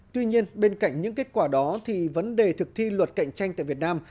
tuy nhiên bên cạnh những kết quả đó thì vấn đề thực thi luật cạnh tranh tại việt nam